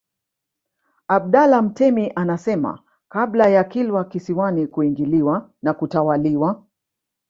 Abdallah Mtemi anasema kabla ya Kilwa Kisiwani kuingiliwa na kutawaliwa